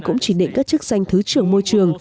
cũng chỉ định các chức danh thứ trưởng môi trường